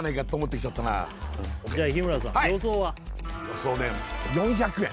予想ね４００円